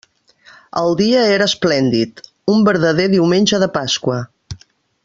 El dia era esplèndid; un verdader diumenge de Pasqua.